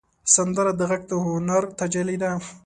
سندره د غږ د هنر تجلی ده